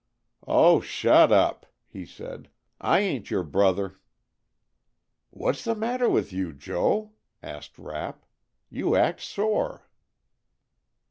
"Oh, shut up!" he said. "I ain't your brother." "What's the matter with you, Joe?" asked Rapp. "You act sore."